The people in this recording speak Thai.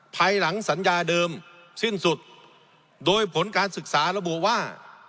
ภายหลังสัญญาเดิมสิ้นสุดโดยผลการศึกษาระบุว่า